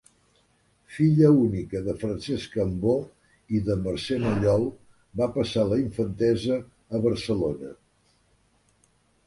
Filla única de Francesc Cambó i de Mercè Mallol, va passar la infantesa a Barcelona.